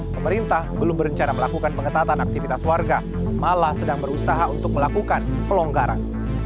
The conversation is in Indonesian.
pemerintah belum berencana melakukan pengetatan aktivitas warga malah sedang berusaha untuk melakukan pelonggaran